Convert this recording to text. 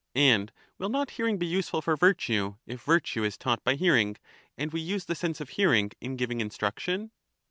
And will not hearing be useful for virtue, if virtue is taught by hearing and we use the sense of hearing in giving instruction?